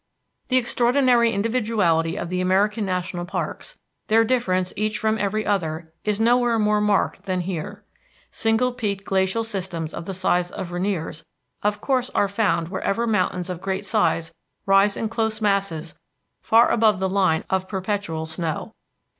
The extraordinary individuality of the American national parks, their difference, each from every other, is nowhere more marked than here. Single peaked glacial systems of the size of Rainier's, of course, are found wherever mountains of great size rise in close masses far above the line of perpetual snow.